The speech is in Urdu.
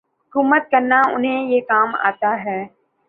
حکومت کرنا انہیں یہ کام آتا نہیں۔